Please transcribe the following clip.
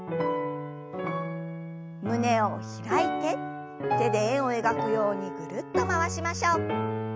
胸を開いて手で円を描くようにぐるっと回しましょう。